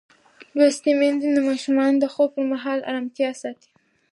لوستې میندې د ماشومانو د خوب پر مهال ارامتیا ساتي.